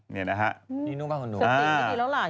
นี่หนูบ้างคนดู